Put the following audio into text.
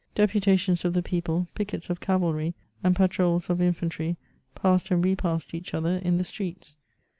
Deputations of the people, pickets of cavalry, and patroles of infantry, passed and repassed each other in the streets.